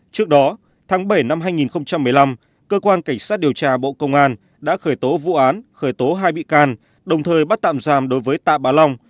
trước đó tháng bảy năm hai nghìn một mươi năm cơ quan cảnh sát điều tra bộ công an đã khởi tố vụ án khởi tố hai bị can đồng thời bắt tạm giam đối với tạ bà long